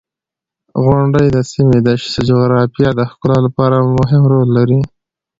• غونډۍ د سیمې د جغرافیې د ښکلا لپاره مهم رول لري.